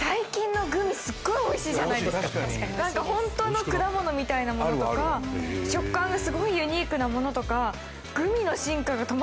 なんかホントの果物みたいなものとか食感がすごいユニークなものとか。